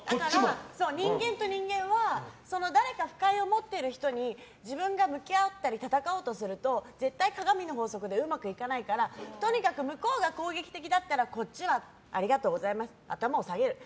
人間と人間は誰か不快を持ってる人に自分が向き合ったり戦おうとすると絶対に鏡の法則でうまくいかないからとにかく向こうが攻撃的だったらこっちはありがとうございますって頭を下げる。